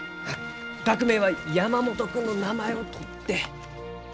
学名は山元君の名前をとって。